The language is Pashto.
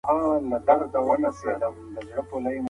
پانګه اچوونکو نوې سرچینې لټولې.